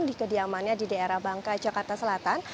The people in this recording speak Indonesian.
di kediamannya di daerah bangka jakarta selatan